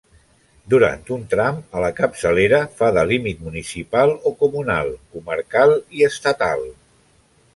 Durant un tram, a la capçalera, fa de límit municipal o comunal, comarcal i estatal.